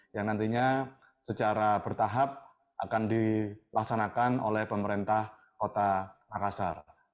yang nantinya secara bertahap akan dilaksanakan oleh pemerintah kota makassar